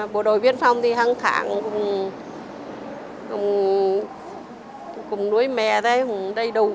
bộ đội biên phòng hàng tháng cùng đuôi mẹ đầy đủ